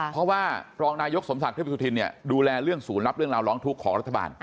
เพราะว่ารองนายกสมศักดิ์เทพสุธินเนี่ยดูแลเรื่องศูนย์รับเรื่องราวร้องทุกข์ของรัฐบาล